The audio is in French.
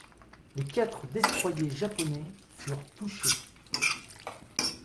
Les quatre destroyers japonais furent touchés.